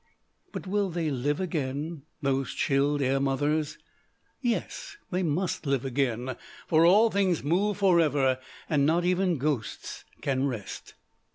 But will they live again, those chilled air mothers? Yes; they must live again. For all things move forever: and not even ghosts can rest.